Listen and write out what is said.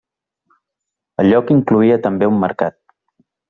El lloc incloïa també un mercat.